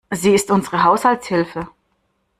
Sie ist unsere Haushaltshilfe.